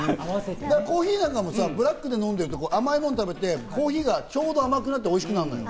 コーヒーなんかもさ、ブラックで飲んでると、甘いものを食べてコーヒーがちょうど甘くなっておいしくなるのよ。